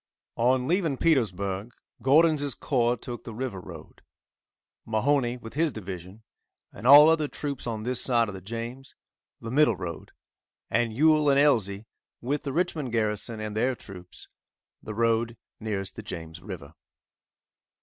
On leaving Petersburg, Gordon's corps took the river road; Mahone, with his division, and all other troops on this side of the James, the middle road, and Ewell and Elzey, with the Richmond garrison, and other troops, the road nearest the James river.